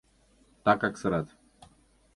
Такак сырат.